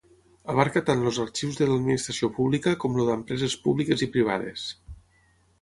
Abarca tant els arxius de l'administració pública com el d'empreses públiques i privades.